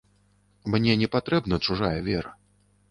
Мне не патрэбна чужая вера.